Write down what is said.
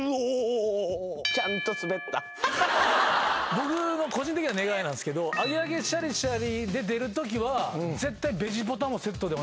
僕の個人的な願いなんですけどアゲアゲシャリシャリで出るときは絶対。